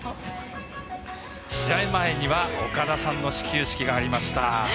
試合前には岡田さんの始球式がありました。